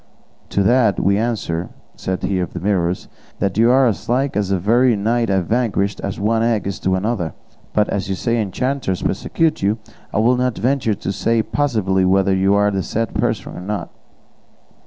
"To that we answer you," said he of the Mirrors, "that you are as like the very knight I vanquished as one egg is like another, but as you say enchanters persecute you, I will not venture to say positively whether you are the said person or not."